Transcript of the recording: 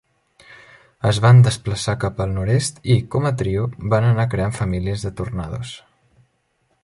Es van desplaçar cap al nord-est i, com a trio, van anar creant famílies de tornados.